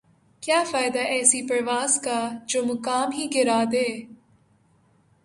کیا فائدہ ایسی پرواز کا جومقام ہی گِرادے